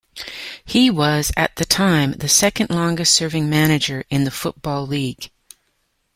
He was at the time the second longest serving manager in the Football League.